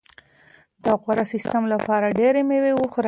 د غوره سیستم لپاره ډېره مېوه وخورئ.